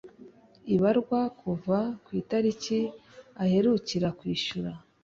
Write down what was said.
ibarwa kuva ku itariki aherukira kwishyura